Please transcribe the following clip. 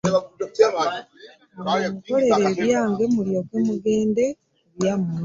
Munkolere ebyange mulyoke mugende mu byammwe.